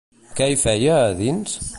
Què hi feia, a dins?